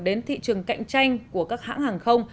đến thị trường cạnh tranh của các hãng hàng không